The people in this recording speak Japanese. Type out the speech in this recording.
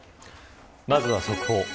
まずは速報。